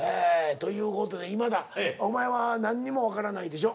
という事で今田お前は何にもわからないでしょ？